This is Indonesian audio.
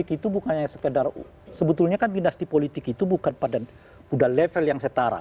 kita akan lanjutkan diskusinya